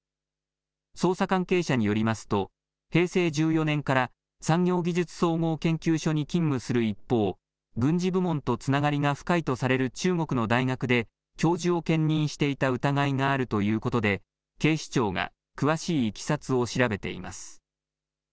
捜査関係者によりますと平成１４年から産業技術総合研究所に勤務する一方軍事部門とつながりが深いとされる中国の大学で教授を兼任にしていた疑いがあるということで警視庁が詳しいいきさつを調べています。